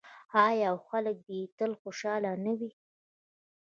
آیا او خلک دې یې تل خوشحاله نه وي؟